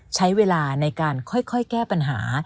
ใช้เวลาในการค่อยแก้ปัญหา